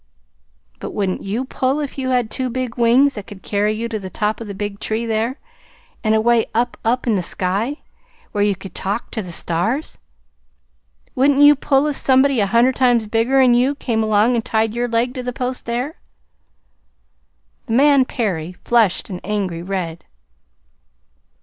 "But wouldn't you pull if you had two big wings that could carry you to the top of that big tree there, and away up, up in the sky, where you could talk to the stars? wouldn't you pull if somebody a hundred times bigger'n you came along and tied your leg to that post there?" The man, Perry, flushed an angry red.